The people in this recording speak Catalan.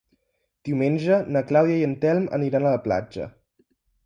Diumenge na Clàudia i en Telm aniran a la platja.